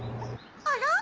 あら？